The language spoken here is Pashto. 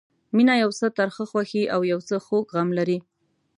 مینه یو څه ترخه خوښي او یو څه خوږ غم لري.